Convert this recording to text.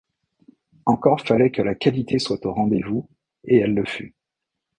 Encore fallait que la qualité soit au rendez-vous et elle le fut.